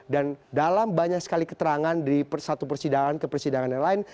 dan dalam banyak sekali keterangan di satu persidangan ke persidangan yang lain